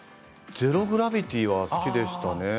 「ゼロ・グラビティ」は好きでしたね。